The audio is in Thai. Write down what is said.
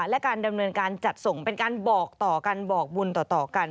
และการดำเนินการจัดส่งเป็นการบอกต่อกันบอกบุญต่อกัน